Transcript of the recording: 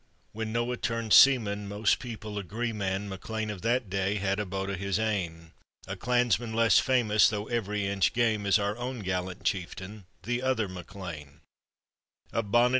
When Noah turned seaman, most people agree, man, MacLean of that day had "a boat o' his ain;" A clansman less famous, though ev'ry inch game, is Our own gallant chieftain — the other MacLean.